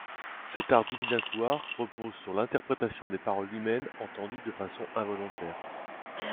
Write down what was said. Cet art divinatoire repose sur l’interprétation des paroles humaines entendues de façon involontaire.